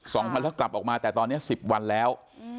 สองวันแล้วกลับออกมาแต่ตอนนี้สิบวันแล้วอืม